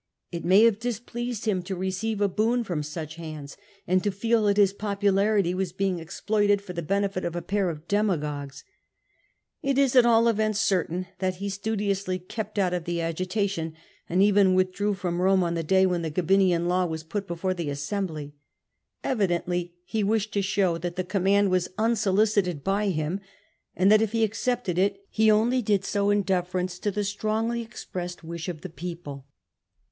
It may have displeased him to receive a boon from such hands, and to feel that his popularity was being exploited for the benefit of a pair of demagogues. It is at all events certain that he studiously kept out of the agitation, and even withdrew from Eome on the day when the Gabinian Law was put before the assembly. Evidently he wished to show that the com mand was unsolicited by him, and that if he accepted it he only did so in deference to the strongly expressed wish of the people.